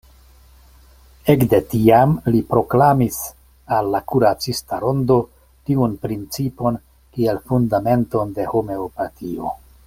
Ekde tiam li proklamis al la kuracista rondo tiun principon kiel fundamenton de Homeopatio.